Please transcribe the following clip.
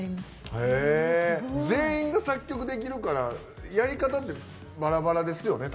全員が作曲できるからやり方ってバラバラですよね。